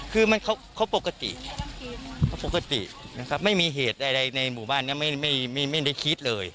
คือเค้าปกติไม่มีเหตุใดในหมู่บ้านไม่ได้คิดเลย